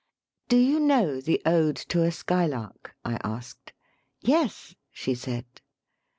" Do you know the ode 'To a Skylark'?" I asked. "Yes," she said.